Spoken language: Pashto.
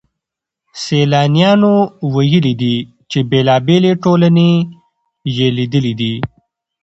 سيلانيانو ويلي دي چي بېلابېلې ټولني يې ليدلې دي.